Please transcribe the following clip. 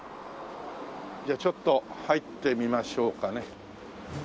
じゃあちょっと入ってみましょうかね。